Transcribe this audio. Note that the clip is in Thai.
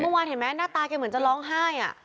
เมื่อวานเห็นไหมหน้าตาแกเหมือนจะร้องไห้